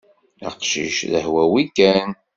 Aqcic-a d ahwawi kan.